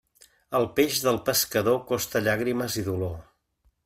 El peix del pescador costa llàgrimes i dolor.